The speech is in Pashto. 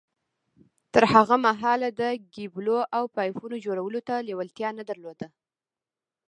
تر هغه مهاله ده د کېبلو او پايپونو جوړولو ته لېوالتيا نه درلوده.